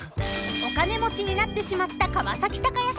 ［お金持ちになってしまった川崎鷹也さん］